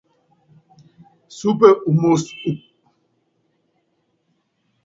Súpe u puso ni kɛ́kɛ́yí kánɛ umekuci pákaluŋɔ nyánanɛ́.